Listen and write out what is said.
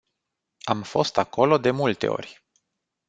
Am fost acolo de multe ori.